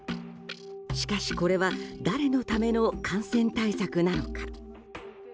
しかし、これは誰のための感染対策なのか。